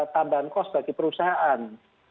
tambahan kos bagi perusahaan